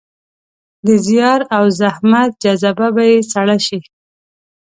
د زیار او زحمت جذبه به يې سړه شي.